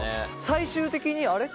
最終的にあれ？